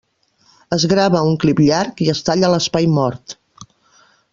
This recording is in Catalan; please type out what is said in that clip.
Es grava un clip llarg i es talla l'espai mort.